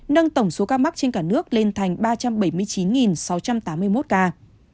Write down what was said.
nâng tổng số ca mắc trên cả nước lên thành ba trăm bảy mươi chín sáu trăm tám mươi một ca